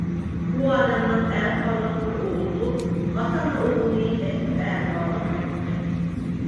ئۇ ئادەمنىڭ ئەتىۋارلىق بىر ئوغلى بولۇپ، ئاتا - ئانا ئوغلىنى بەكمۇ ئەتىۋارلاپ باقىدىكەن.